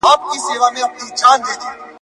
چي د بل لپاره ورور وژني په تور کي ..